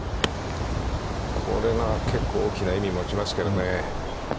これが結構大きな意味を持ちますけどね。